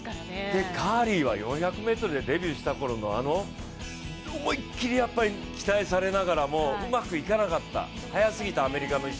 で、カーリーは４００ｍでデビューしたころのあの思いっきり期待されながらもうまくいかなかった早すぎた。